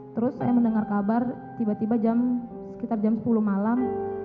terus saya mendengar kabar tiba tiba sekitar jam sepuluh malam